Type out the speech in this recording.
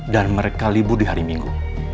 dan mereka libur di hari minggu